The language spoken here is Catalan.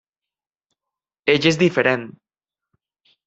Ella és diferent.